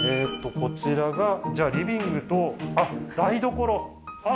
こちらがじゃあリビングとあっ